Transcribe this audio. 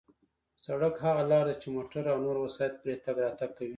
سړک هغه لار ده چې موټر او نور وسایط پرې تگ راتگ کوي.